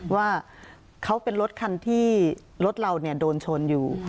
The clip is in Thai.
ว่าเขาเป็นรถคันที่รถเราโดนชนอยู่